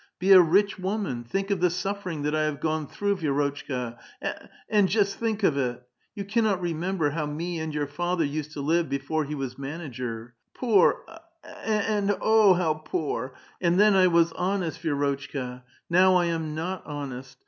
Be a rich woman ! Think of the suffering that I have gone through, Vidrotchka, a a a and just think of it ! You cannot remember how me and your father used to live before he was manager. Poor, a a a and oh, how poor ! and then I was honest, Vi^rotchka ! Now I am not honest.